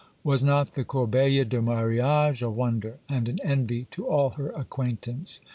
Was not the corbeille de mariage a wonder and an envy to all her acquaintance?